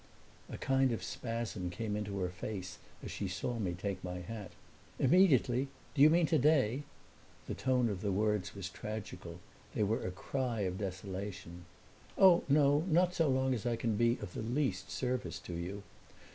A kind of spasm came into her face as she saw me take my hat. "Immediately do you mean today?" The tone of the words was tragical they were a cry of desolation. "Oh, no; not so long as I can be of the least service to you."